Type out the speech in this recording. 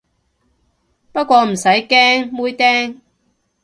不過唔使驚，妹釘